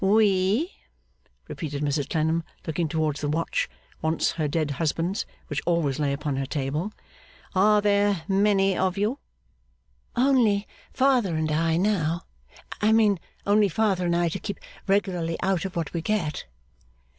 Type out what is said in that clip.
'We,' repeated Mrs Clennam, looking towards the watch, once her dead husband's, which always lay upon her table. 'Are there many of you?' 'Only father and I, now. I mean, only father and I to keep regularly out of what we get.